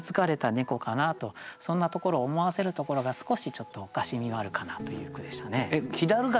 そんなところを思わせるところが少しちょっとおかしみはあるかなという句でしたね。